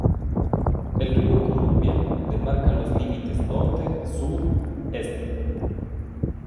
El río Columbia demarca los límites norte, sur, este.